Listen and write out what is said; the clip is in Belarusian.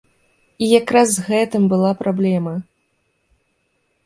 І якраз з гэтым была праблема.